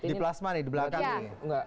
di plasma nih di belakang ini